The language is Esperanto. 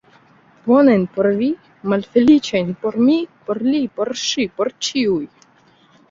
Bonajn por vi, malfeliĉajn por mi, por li, por ŝi, por ĉiuj!